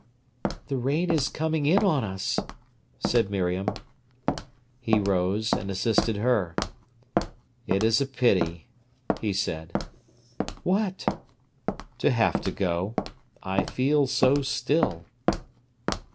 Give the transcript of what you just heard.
"The rain is coming in on us," said Miriam. He rose, and assisted her. "It is a pity," he said. "What?" "To have to go. I feel so still."